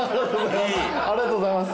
ありがとうございます。